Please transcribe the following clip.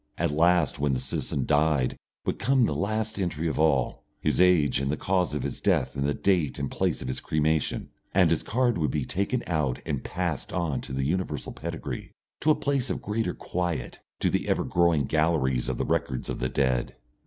At last, when the citizen died, would come the last entry of all, his age and the cause of his death and the date and place of his cremation, and his card would be taken out and passed on to the universal pedigree, to a place of greater quiet, to the ever growing galleries of the records of the dead.